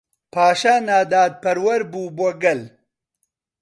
پاشا ناداپەروەر بوو بۆ گەل.